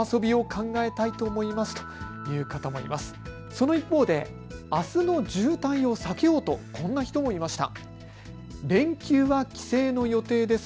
その一方で、あすの渋滞を避けようとこんな人もいました。